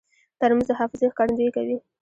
ترموز د حافظې ښکارندویي کوي.